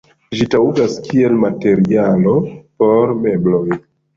Ĝi taŭgas kiel materialo por mebloj.